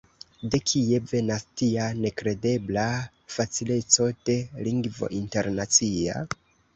De kie venas tia nekredebla facileco de lingvo internacia?